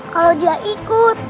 kalau dia ikut